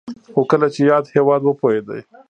خو کله چې یاد هېواد وپوهېده